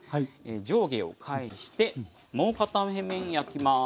上下を返してもう片面焼きます。